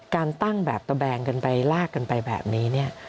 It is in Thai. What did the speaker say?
การตั้งแบบตะแบงกันไปลากกันไปแบบนี้เนี่ย